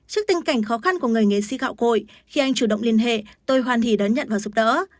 trước tình cảnh khó khăn của người nghệ sĩ gạo cội khi anh chủ động liên hệ tôi hoàn thiện đón nhận và giúp đỡ